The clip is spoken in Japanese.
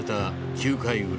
９回裏。